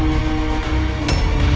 saya akan keluar